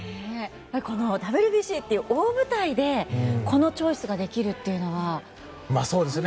このＷＢＣという大舞台でこのチョイスができるというのはね。